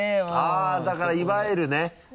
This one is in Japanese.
あっだからいわゆるね